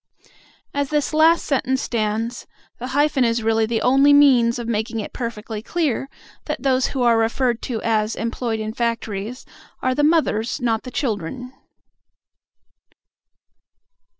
As this last sentence stands, the hyphen is really the only means of making it perfectly clear that those who are referred to as employed in factories are the mothers, not the children.